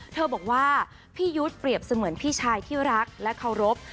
เธอบอกว่าพี่ยุทธ์เปรียบเสมือนพี่ชายที่รักและเคารพ